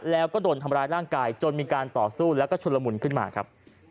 แล้วก็โดนทำร้ายร่างกายจนมีการต่อสู้แล้วก็ชุนละมุนขึ้นมาครับ